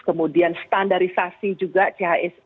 kemudian standarisasi juga chs